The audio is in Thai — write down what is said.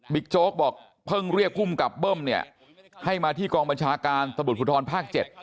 บิ๊กโจ๊กบอกเพิ่งเรียกภูมิกับเบิ้มเนี่ยให้มาที่กองบัญชาการสมดุลขุนธรรมภาค๗